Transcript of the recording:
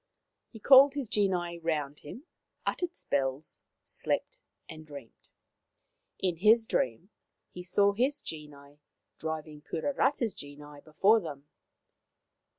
He called his genii round him, uttered spells, slept, and dreamed. In his dream he saw his genii driving Puarata's genii before them.